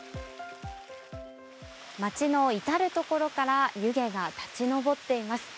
町の至るところから湯気が立ち上っています。